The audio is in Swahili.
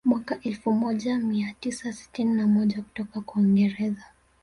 Mwaka elfu moja mia tisa sitini na moja kutoka kwa Uingereza